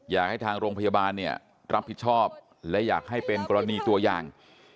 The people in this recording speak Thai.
อยากให้ทางโรงพยาบาลเนี่ยรับผิดชอบและอยากให้เป็นกรณีตัวอย่าง